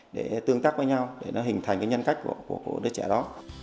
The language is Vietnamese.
để tương tác với nhau để nó hình thành cái nhân cách của đứa trẻ đó